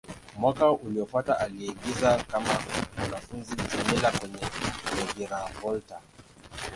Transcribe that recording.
Mwaka uliofuata, aliigiza kama mwanafunzi Djamila kwenye "Reviravolta".